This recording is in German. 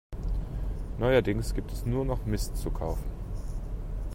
Neuerdings gibt es nur noch Mist zu kaufen.